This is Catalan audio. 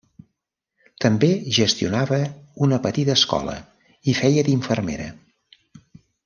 També gestionava una petita escola i feia d'infermera.